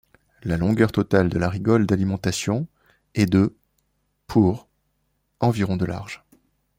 La longueur totale de la rigole d'alimentation est de pour environ de large.